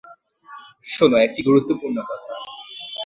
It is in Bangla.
শোন, একটা গুরুত্বপূর্ণ কথা।